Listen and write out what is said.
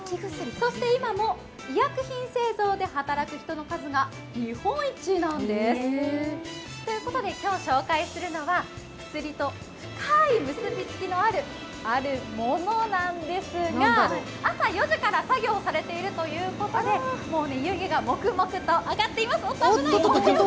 今も医薬品製造で働く人の数が日本一なんです。ということで今日紹介するのは薬と深い結びつきのあるあるものなんですが朝４時から作業をされているということでもうね、湯気がもくもくと上がっています。